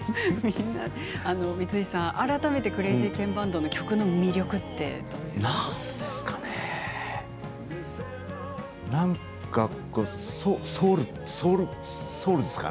光石さん、改めてクレイジーケンバンドの曲の魅力ってどういうところですか？